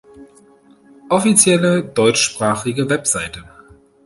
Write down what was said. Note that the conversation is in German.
Offizielle deutschsprachige Website